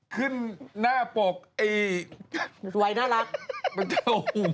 ขึ้นหน้าปวกไอ้เป็นเจ้าหุ่นดับเจ้าหุ่น